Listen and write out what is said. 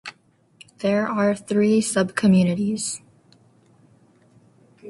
There are three subcommunities.